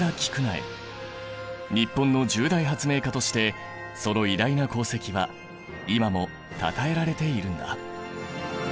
日本の十大発明家としてその偉大な功績は今もたたえられているんだ。